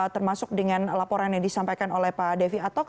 termasuk dengan laporan yang disampaikan oleh pak devi atok